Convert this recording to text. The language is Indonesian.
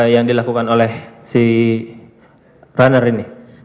yang dilakukan oleh si runner ini